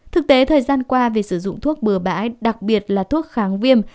thực tế thời gian qua việc sử dụng thuốc bừa bãi đặc biệt là thuốc kháng viêm